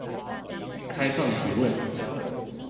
開放提問